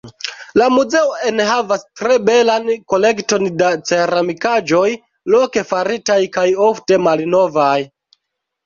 La muzeo enhavas tre belan kolekton da ceramikaĵoj, loke faritaj kaj ofte malnovaj.